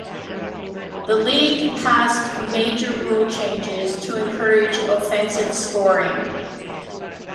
The league passed major rule changes to encourage offensive scoring.